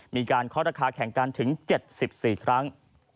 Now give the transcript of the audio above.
เคาะราคาแข่งกันถึง๗๔ครั้ง